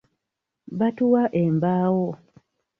Batuwa embaawo.